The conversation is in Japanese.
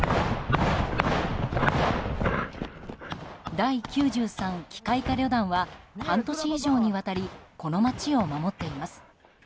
第９３機械化旅団は半年以上にわたりこの街を守っています。